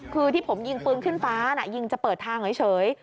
คือที่ผมยิงปืนขึ้นฟ้าน่ะยิงจะเปิดทางเฉย